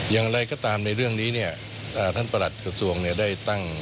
อย่างไรก็ตามในเรื่องนี้ท่านประหลัดกระทรวงได้ตั้ง